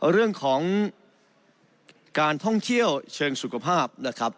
เรื่องของการท่องเที่ยวเชิงสุขภาพนะครับ